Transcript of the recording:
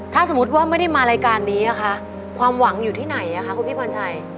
ถ้าสมมุติว่าไม่ได้มารายการนี้ความหวังอยู่ที่ไหนคุณพี่พรชัย